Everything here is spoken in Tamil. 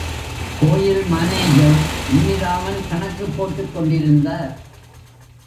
கோயில் மானேஜர் நிமிராமல் கணக்குப் போட்டுக் கொண்டிருந்தார்.